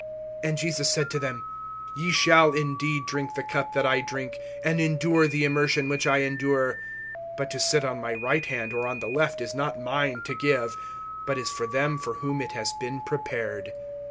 And Jesus said to them: Ye shall indeed drink the cup that I drink, and endure the immersion which I endure. (40)But to sit on my right hand, or on the left, is not mine to give, but is for them for whom it has been prepared.